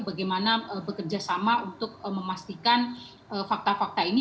bagaimana bekerjasama untuk memastikan fakta fakta ini